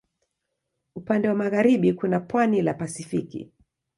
Upande wa magharibi kuna pwani la Pasifiki.